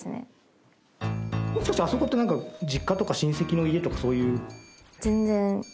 もしかしてあそこってなんか実家とか親戚の家とかそういう。